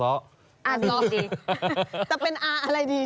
อ่าซ้อจะเป็นอ่าอะไรดี